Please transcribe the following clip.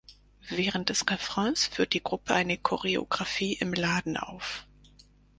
Während des Refrains führt die Gruppe eine Choreografie im Laden auf.